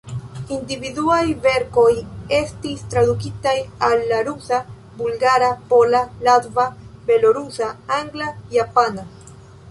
Individuaj verkoj estis tradukitaj al la rusa, bulgara, pola, latva, belorusa, angla, japana.